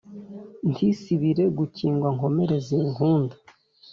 Ntisibire gukingwa nkomere zinkunda